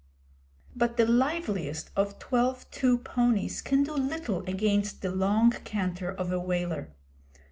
But the liveliest of twelve two ponies can do little against the long canter of a Waler.